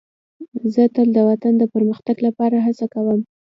زه تل د وطن د پرمختګ لپاره هڅه کوم.